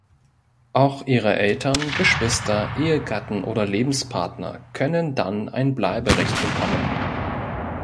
Auch ihre Eltern, Geschwister, Ehegatten oder Lebenspartner können dann ein Bleiberecht bekommen.